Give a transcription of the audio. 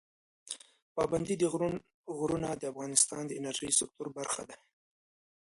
پابندی غرونه د افغانستان د انرژۍ سکتور برخه ده.